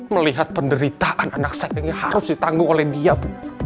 melihat penderitaan anak saya ini harus ditanggung oleh dia bu